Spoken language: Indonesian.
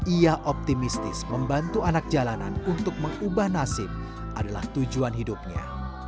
ia optimistis membantu anak jalanan untuk mengubah nasib adalah tujuan hidupnya